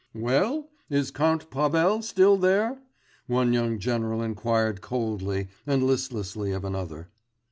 _' 'Well? Is Count Pavel still there?' one young general inquired coldly and listlessly of another.